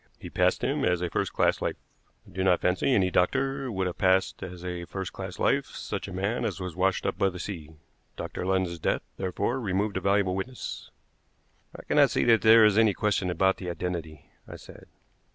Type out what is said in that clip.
He passed him as a first class life. I do not fancy any doctor would have passed as a first class life such a man as was washed up by the sea. Dr. London's death, therefore, removed a valuable witness." "I cannot see that there is any question about the identity," I said.